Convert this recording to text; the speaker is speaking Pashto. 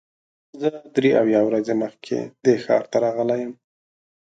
زه درې اویا ورځې مخکې دې ښار ته راغلی یم.